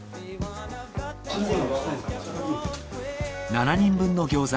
７人分の餃子